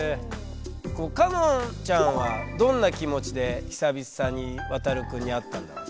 歌音ちゃんはどんな気持ちで久々にワタル君に会ったんだろう？